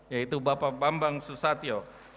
yaitu bapak bambang susatyo